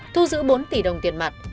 thu giữ bốn tỷ đồng tiền mặt